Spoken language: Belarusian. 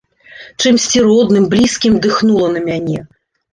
Чымсьці родным, блізкім дыхнула на мяне.